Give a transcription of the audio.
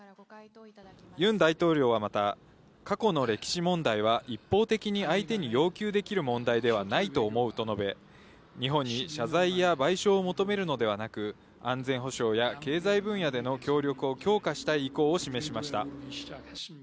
ユン大統領はまた、過去の歴史問題は一方的に相手に要求できる問題ではないと思うと述べ、日本に謝罪や賠償を求めるのではなく、安全保障や経済分野での協力を強化したい意向を示しました。